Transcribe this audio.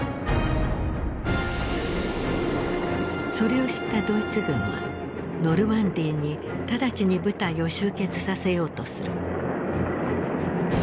それを知ったドイツ軍はノルマンディーに直ちに部隊を集結させようとする。